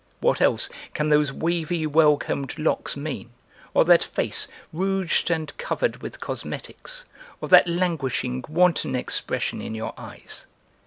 What else can those wavy well combed locks mean or that face, rouged and covered with cosmetics, or that languishing, wanton expression in your eyes?